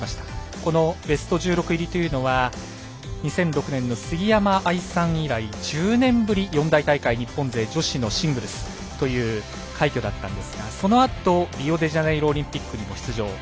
このベスト１６入りというのは２００６年の杉山愛さん以来１０年ぶり四大大会日本勢女子のシングルスという快挙だったんですがそのあとリオデジャネイロオリンピックに出場。